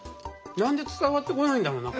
何で伝わってこないんだろうな？